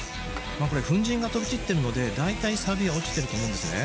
これ粉じんが飛び散ってるので大体サビが落ちてると思うんですね